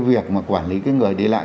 cái việc mà quản lý cái người đi lại